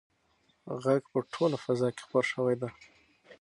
غږ په ټوله فضا کې خپور شوی دی.